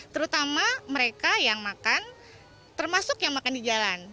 terutama mereka yang makan termasuk yang makan di jalan